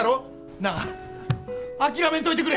なあ諦めんといてくれ！